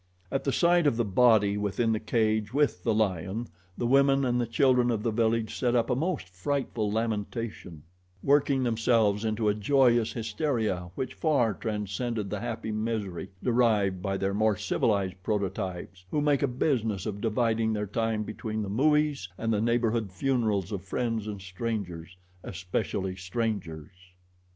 At the sight of the body within the cage with the lion, the women and children of the village set up a most frightful lamentation, working themselves into a joyous hysteria which far transcended the happy misery derived by their more civilized prototypes who make a business of dividing their time between the movies and the neighborhood funerals of friends and strangers especially strangers.